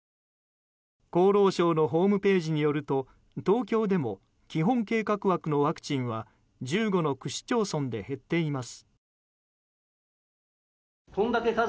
厚労省のホームページによると東京でも基本計画枠のワクチンは１５の区市町村で減っています。